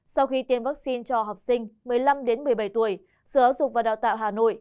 sau khi tiêm vaccine cho học sinh một mươi năm một mươi bảy tuổi sở giáo dục và đào tạo hà nội